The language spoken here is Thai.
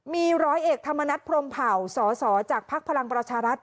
มีร้อยเอกธรรมนัฐพรมเผ่าสสจากภักดิ์พลังประชารัฐ